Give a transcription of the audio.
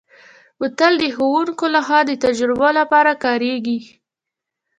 بوتل د ښوونکو لخوا د تجربو لپاره کارېږي.